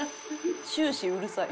終始うるさい。